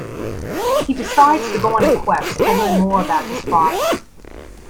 He decides to go on a quest to learn more about his father.